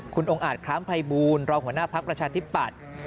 คุณองอาจครั้งไพบูลรองหัวหน้าพักประชาธิปัตย์